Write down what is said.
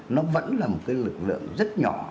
nó vẫn là một cái lực lượng rất nhỏ